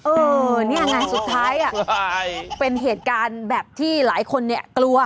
เออนี่ไงสุดท้ายเป็นเหตุการณ์แบบที่หลายคนเนี่ยกลัว